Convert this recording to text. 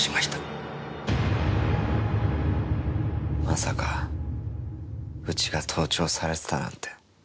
まさかうちが盗聴されてたなんて。